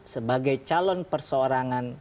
sebagai calon persoorangan